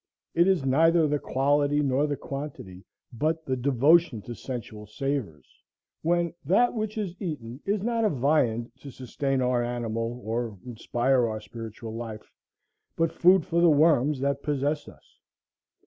It is neither the quality nor the quantity, but the devotion to sensual savors; when that which is eaten is not a viand to sustain our animal, or inspire our spiritual life, but food for the worms that possess us.